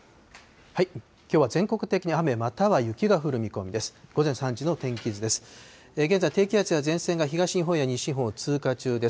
きょうは全国的に雨、または雪が降る見込みです。